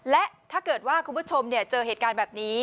และถ้าเกิดว่าคุณผู้ชมเจอเหตุการณ์แบบนี้